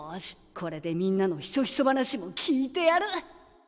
これでみんなのひそひそ話も聞いてやる！